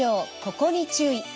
ここに注意！」